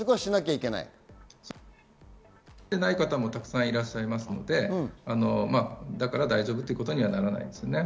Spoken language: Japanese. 持っていない方もたくさんいらっしゃいますので、だから大丈夫ということにはならないですね。